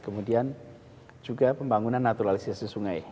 kemudian juga pembangunan naturalisasi sungai